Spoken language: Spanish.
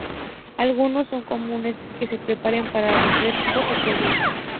Algunos no son comunes que se preparen para refrescos o jugos.